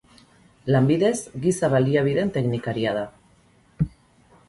Lanbidez giza baliabideen teknikaria da.